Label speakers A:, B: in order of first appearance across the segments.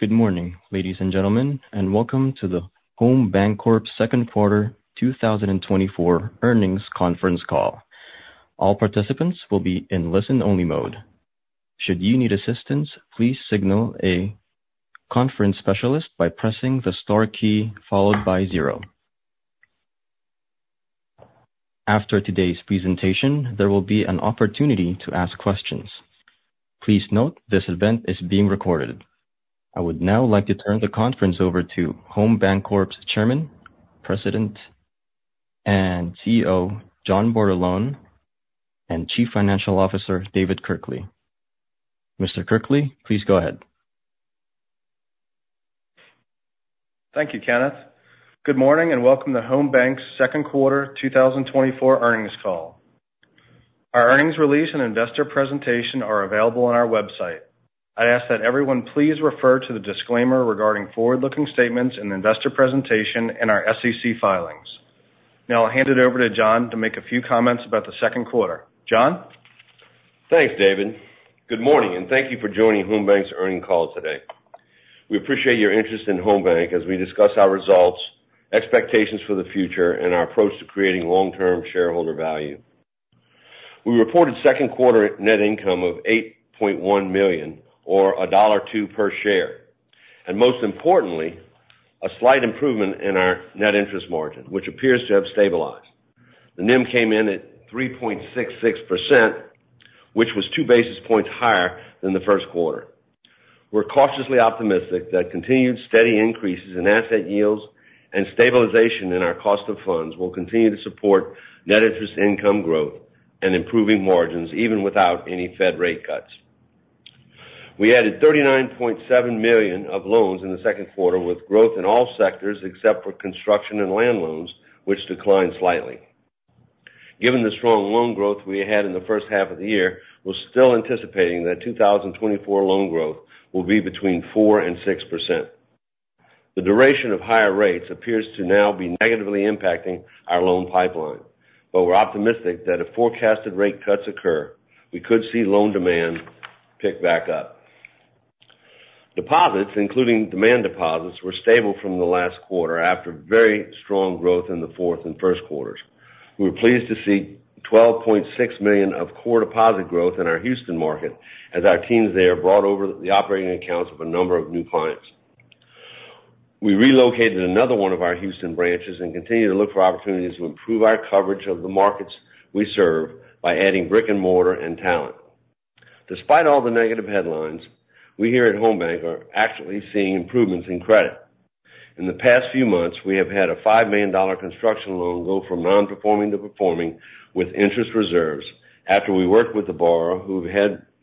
A: Good morning, ladies and gentlemen, and welcome to the Home Bancorp Second Quarter 2024 Earnings Conference Call. All participants will be in listen-only mode. Should you need assistance, please signal a conference specialist by pressing the star key followed by zero. After today's presentation, there will be an opportunity to ask questions. Please note, this event is being recorded. I would now like to turn the conference over to Home Bancorp's Chairman, President, and CEO, John Bordelon, and Chief Financial Officer, David Kirkley. Mr. Kirkley, please go ahead.
B: Thank you, Kenneth. Good morning, and welcome to Home Bank's second quarter 2024 earnings call. Our earnings release and investor presentation are available on our website. I ask that everyone please refer to the disclaimer regarding forward-looking statements in the investor presentation and our SEC filings. Now I'll hand it over to John to make a few comments about the second quarter. John?
C: Thanks, David. Good morning, and thank you for joining Home Bancorp's earnings call today. We appreciate your interest in Home Bancorp as we discuss our results, expectations for the future, and our approach to creating long-term shareholder value. We reported second quarter net income of $8.1 million, or $1.02 per share, and most importantly, a slight improvement in our net interest margin, which appears to have stabilized. The NIM came in at 3.66%, which was two basis points higher than the first quarter. We're cautiously optimistic that continued steady increases in asset yields and stabilization in our cost of funds will continue to support net interest income growth and improving margins, even without any Fed rate cuts. We added $39.7 million of loans in the second quarter, with growth in all sectors except for construction and land loans, which declined slightly. Given the strong loan growth we had in the first half of the year, we're still anticipating that 2024 loan growth will be between 4% and 6%. The duration of higher rates appears to now be negatively impacting our loan pipeline, but we're optimistic that if forecasted rate cuts occur, we could see loan demand pick back up. Deposits, including demand deposits, were stable from the last quarter after very strong growth in the fourth and first quarters. We were pleased to see $12.6 million of core deposit growth in our Houston market as our teams there brought over the operating accounts of a number of new clients. We relocated another one of our Houston branches and continue to look for opportunities to improve our coverage of the markets we serve by adding brick-and-mortar and talent. Despite all the negative headlines, we here at Home Bank are actually seeing improvements in credit. In the past few months, we have had a $5 million construction loan go from non-performing to performing with interest reserves after we worked with the borrower, who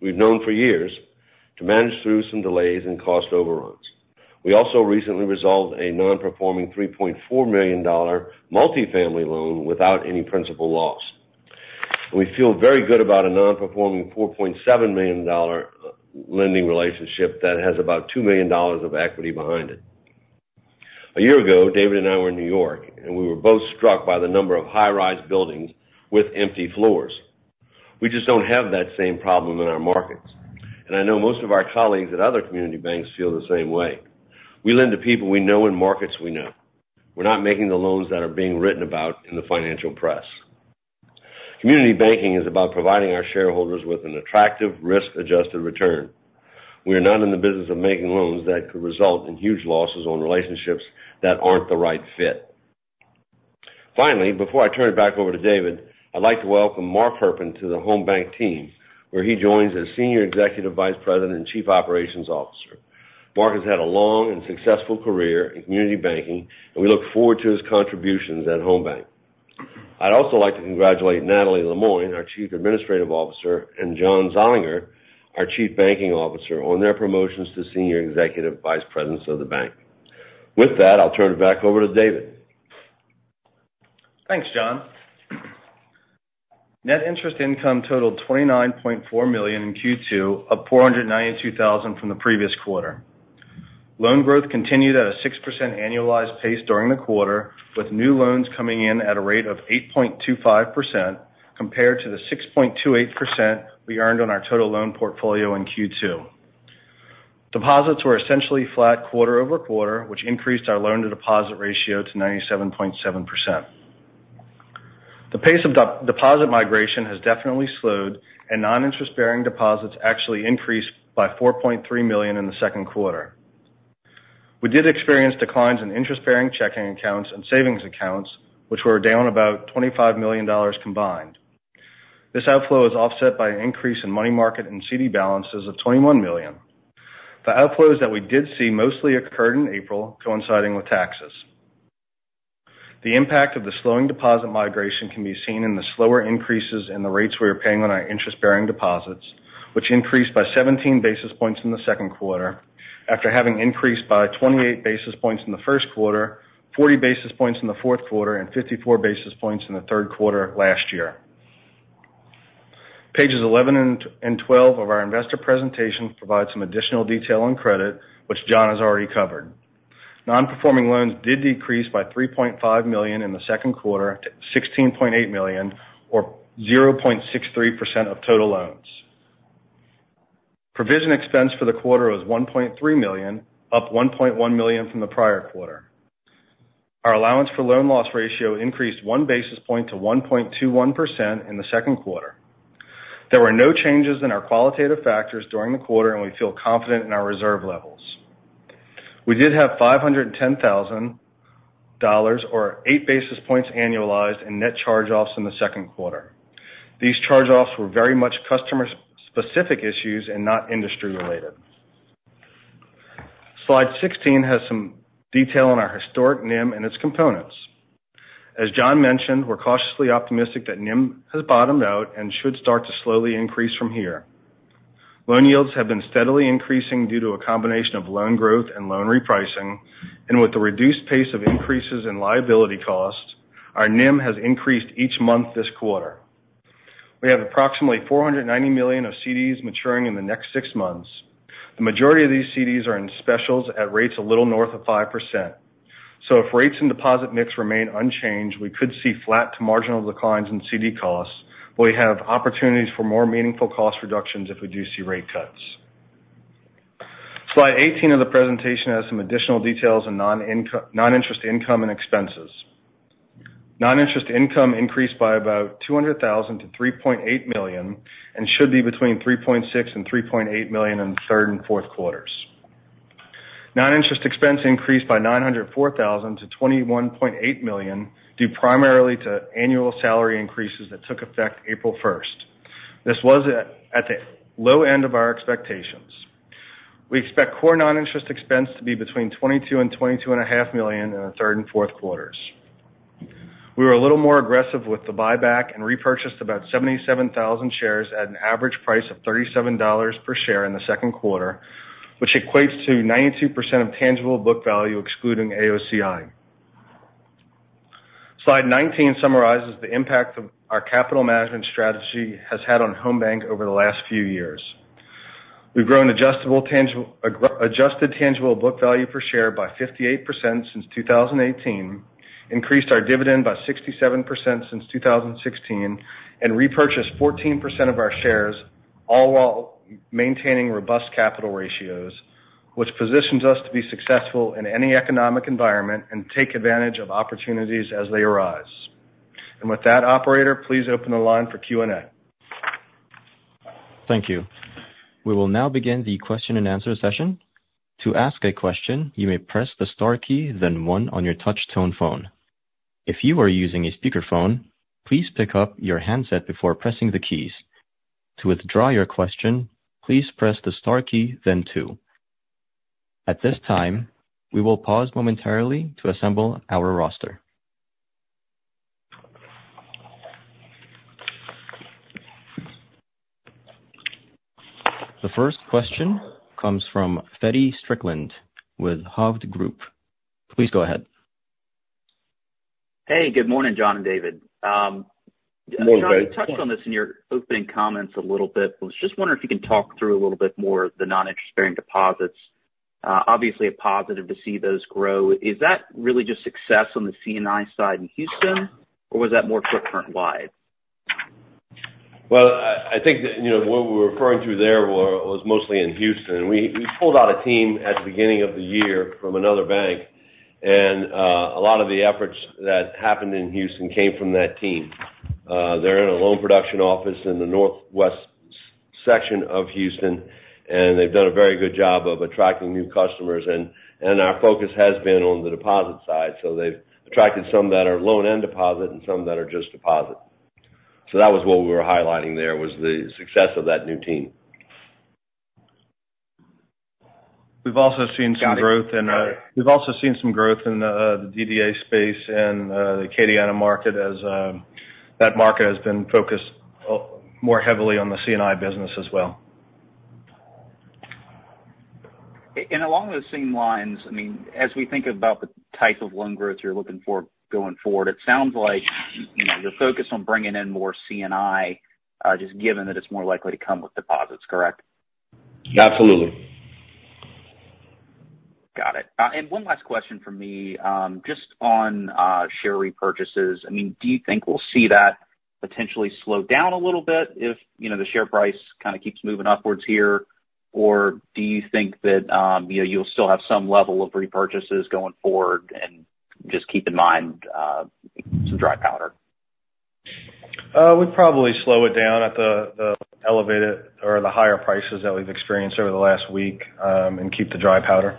C: we've known for years, to manage through some delays and cost overruns. We also recently resolved a non-performing $3.4 million multifamily loan without any principal loss. We feel very good about a non-performing $4.7 million lending relationship that has about $2 million of equity behind it. A year ago, David and I were in New York, and we were both struck by the number of high-rise buildings with empty floors. We just don't have that same problem in our markets, and I know most of our colleagues at other community banks feel the same way. We lend to people we know in markets we know. We're not making the loans that are being written about in the financial press. Community banking is about providing our shareholders with an attractive, risk-adjusted return. We are not in the business of making loans that could result in huge losses on relationships that aren't the right fit. Finally, before I turn it back over to David, I'd like to welcome Mark Herpin to the Home Bank team, where he joins as Senior Executive Vice President and Chief Operations Officer. Mark has had a long and successful career in community banking, and we look forward to his contributions at Home Bank. I'd also like to congratulate Natalie Lemoine, our Chief Administrative Officer, and John Zollinger, our Chief Banking Officer, on their promotions to Senior Executive Vice Presidents of the bank. With that, I'll turn it back over to David.
B: Thanks, John. Net interest income totaled $29.4 million in Q2, up $492,000 from the previous quarter. Loan growth continued at a 6% annualized pace during the quarter, with new loans coming in at a rate of 8.25%, compared to the 6.28% we earned on our total loan portfolio in Q2. Deposits were essentially flat quarter-over-quarter, which increased our loan-to-deposit ratio to 97.7%. The pace of deposit migration has definitely slowed, and noninterest-bearing deposits actually increased by $4.3 million in the second quarter. We did experience declines in interest-bearing checking accounts and savings accounts, which were down about $25 million combined. This outflow is offset by an increase in money market and CD balances of $21 million. The outflows that we did see mostly occurred in April, coinciding with taxes. The impact of the slowing deposit migration can be seen in the slower increases in the rates we are paying on our interest-bearing deposits, which increased by 17 basis points in the second quarter, after having increased by 28 basis points in the first quarter, 40 basis points in the fourth quarter, and 54 basis points in the third quarter last year. Pages 11 and 12 of our investor presentation provide some additional detail on credit, which John has already covered. Non-performing loans did decrease by $3.5 million in the second quarter to $16.8 million, or 0.63% of total loans. Provision expense for the quarter was $1.3 million, up $1.1 million from the prior quarter. Our allowance for loan loss ratio increased 1 basis point to 1.21% in the second quarter. There were no changes in our qualitative factors during the quarter, and we feel confident in our reserve levels. We did have $510,000, or 8 basis points annualized in net charge-offs in the second quarter. These charge-offs were very much customer specific issues and not industry related. Slide 16 has some detail on our historic NIM and its components. As John mentioned, we're cautiously optimistic that NIM has bottomed out and should start to slowly increase from here. Loan yields have been steadily increasing due to a combination of loan growth and loan repricing, and with the reduced pace of increases in liability costs, our NIM has increased each month this quarter. We have approximately $490 million of CDs maturing in the next six months. The majority of these CDs are in specials at rates a little north of 5%. So if rates and deposit mix remain unchanged, we could see flat to marginal declines in CD costs. We have opportunities for more meaningful cost reductions if we do see rate cuts. Slide 18 of the presentation has some additional details on noninterest income and expenses. Noninterest income increased by about $200,000 to $3.8 million and should be between $3.6 million and $3.8 million in the third and fourth quarters. Noninterest expense increased by $904,000 to $21.8 million, due primarily to annual salary increases that took effect April first. This was at the low end of our expectations. We expect core non-interest expense to be between $22 million and $22.5 million in the third and fourth quarters. We were a little more aggressive with the buyback and repurchased about 77,000 shares at an average price of $37 per share in the second quarter, which equates to 92% of tangible book value, excluding AOCI. Slide 19 summarizes the impact of our capital management strategy has had on Home Bank over the last few years. We've grown adjusted tangible book value per share by 58% since 2018, increased our dividend by 67% since 2016, and repurchased 14% of our shares, all while maintaining robust capital ratios, which positions us to be successful in any economic environment and take advantage of opportunities as they arise. With that, operator, please open the line for Q&A.
A: Thank you. We will now begin the question-and-answer session. To ask a question, you may press the star key, then one on your touch tone phone. If you are using a speakerphone, please pick up your handset before pressing the keys. To withdraw your question, please press the star key, then two. At this time, we will pause momentarily to assemble our roster. The first question comes from Feddie Strickland with Hovde Group. Please go ahead.
D: Hey, good morning, John and David.
B: Good morning.
D: John, you touched on this in your opening comments a little bit. I was just wondering if you can talk through a little bit more of the non-interest-bearing deposits. Obviously, a positive to see those grow. Is that really just success on the C&I side in Houston, or was that more footprint wide?
C: Well, I, I think that, you know, what we're referring to there was mostly in Houston. We, we pulled out a team at the beginning of the year from another bank, and a lot of the efforts that happened in Houston came from that team. They're in a loan production office in the northwest section of Houston, and they've done a very good job of attracting new customers and our focus has been on the deposit side, so they've attracted some that are loan and deposit and some that are just deposit. So that was what we were highlighting there, was the success of that new team. We've also seen some growth in,
D: Got it.
C: We've also seen some growth in the DDA space and the Acadiana market, as that market has been focused more heavily on the C&I business as well.
D: Along those same lines, I mean, as we think about the type of loan growth you're looking for going forward, it sounds like, you know, you're focused on bringing in more C&I, just given that it's more likely to come with deposits, correct?
C: Absolutely.
D: Got it. And one last question from me. Just on share repurchases, I mean, do you think we'll see that potentially slow down a little bit if, you know, the share price kind of keeps moving upwards here? Or do you think that, you know, you'll still have some level of repurchases going forward and just keep in mind some dry powder?
B: We'd probably slow it down at the elevated or the higher prices that we've experienced over the last week, and keep the dry powder.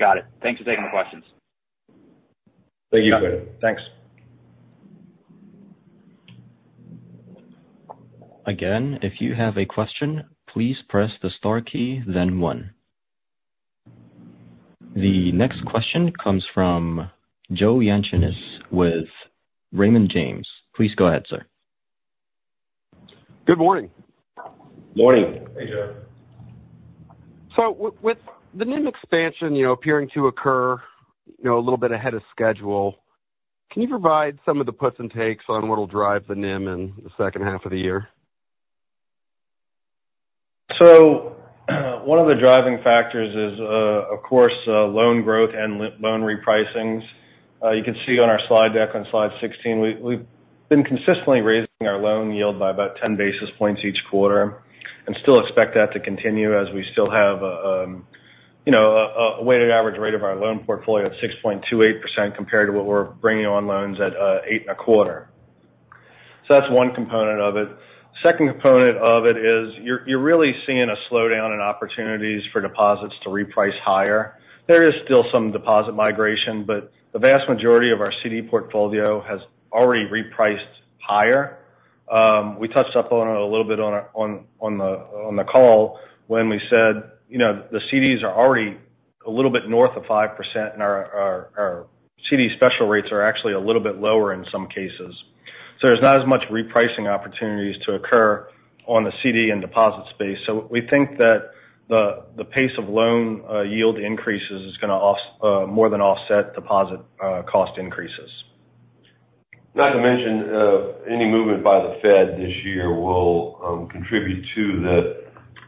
D: Got it. Thanks for taking the questions.
B: Thank you. Thanks.
A: Again, if you have a question, please press the star key, then one. The next question comes from Joe Yanchunis with Raymond James. Please go ahead, sir.
E: Good morning.
B: Morning. Hey, Joe.
E: So with the NIM expansion, you know, appearing to occur, you know, a little bit ahead of schedule, can you provide some of the puts and takes on what will drive the NIM in the second half of the year?...
B: So one of the driving factors is, of course, loan growth and loan repricings. You can see on our slide deck on Slide 16, we've been consistently raising our loan yield by about 10 basis points each quarter, and still expect that to continue as we still have, you know, a weighted average rate of our loan portfolio at 6.28%, compared to what we're bringing on loans at 8.25%. So that's one component of it. Second component of it is you're really seeing a slowdown in opportunities for deposits to reprice higher. There is still some deposit migration, but the vast majority of our CD portfolio has already repriced higher. We touched up on it a little bit on the call when we said, you know, the CDs are already a little bit north of 5%, and our CD special rates are actually a little bit lower in some cases. So there's not as much repricing opportunities to occur on the CD and deposit space. So we think that the pace of loan yield increases is gonna more than offset deposit cost increases.
C: Not to mention, any movement by the Fed this year will contribute to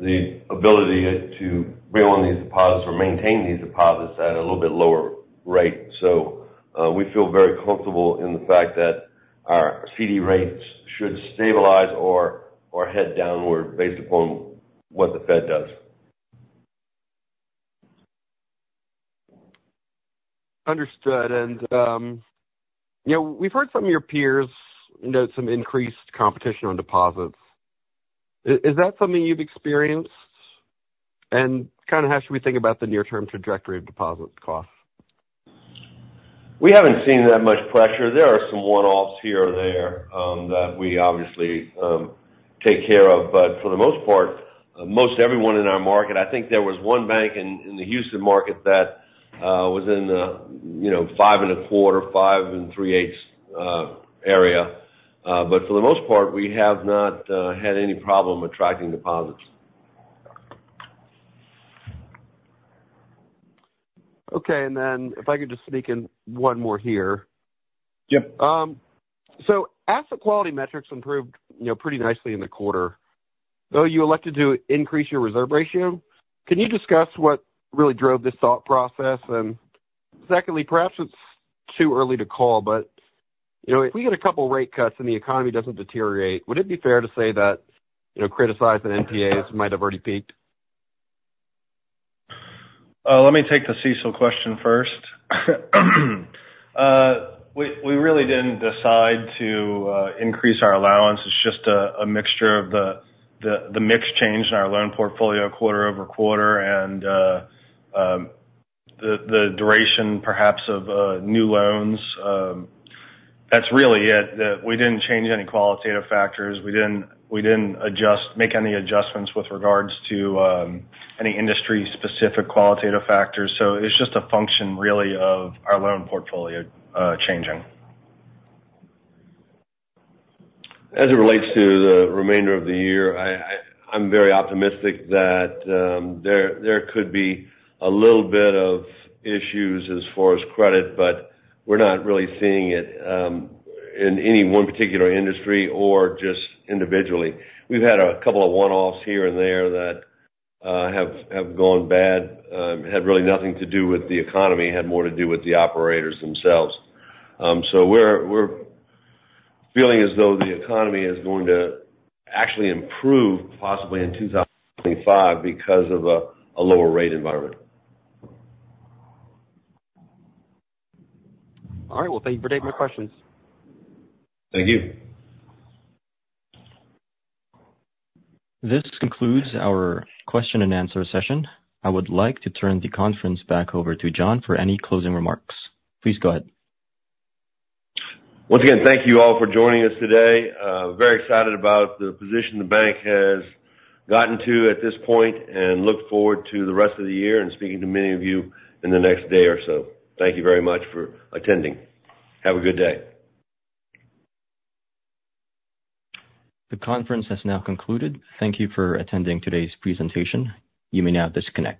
C: the ability to bring on these deposits or maintain these deposits at a little bit lower rate. So, we feel very comfortable in the fact that our CD rates should stabilize or head downward based upon what the Fed does.
E: Understood. And, you know, we've heard from your peers, noting some increased competition on deposits. Is that something you've experienced? And kind of how should we think about the near-term trajectory of deposit costs?
C: We haven't seen that much pressure. There are some one-offs here or there, that we obviously, take care of. But for the most part, most everyone in our market, I think there was one bank in the Houston market that, was in the, you know, 5.25, 5.375, area. But for the most part, we have not, had any problem attracting deposits.
E: Okay. And then if I could just sneak in one more here.
C: Yep.
E: So asset quality metrics improved, you know, pretty nicely in the quarter, though you elected to increase your reserve ratio. Can you discuss what really drove this thought process? And secondly, perhaps it's too early to call, but, you know, if we get a couple rate cuts and the economy doesn't deteriorate, would it be fair to say that, you know, criticized NPAs might have already peaked?
B: Let me take the CECL question first. We really didn't decide to increase our allowance. It's just a mixture of the mix change in our loan portfolio quarter-over-quarter and the duration perhaps of new loans. That's really it. Then we didn't change any qualitative factors. We didn't adjust or make any adjustments with regards to any industry-specific qualitative factors. So it's just a function, really, of our loan portfolio changing.
C: As it relates to the remainder of the year, I'm very optimistic that there could be a little bit of issues as far as credit, but we're not really seeing it in any one particular industry or just individually. We've had a couple of one-offs here and there that have gone bad. It had really nothing to do with the economy, it had more to do with the operators themselves. So we're feeling as though the economy is going to actually improve, possibly in 2025, because of a lower rate environment.
E: All right. Well, thank you for taking my questions.
C: Thank you.
A: This concludes our question and answer session. I would like to turn the conference back over to John for any closing remarks. Please go ahead.
C: Once again, thank you all for joining us today. Very excited about the position the bank has gotten to at this point, and look forward to the rest of the year and speaking to many of you in the next day or so. Thank you very much for attending. Have a good day.
A: The conference has now concluded. Thank you for attending today's presentation. You may now disconnect.